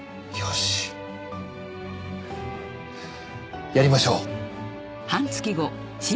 よしやりましょう。